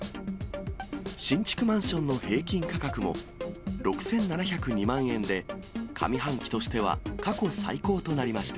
新築マンションの平均価格も６７０２万円で、上半期としては過去最高となりました。